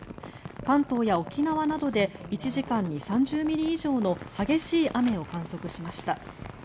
関東や沖縄などで１時間に３０ミリ以上の激しい雨を観測しました。